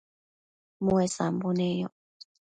muesambo neyoc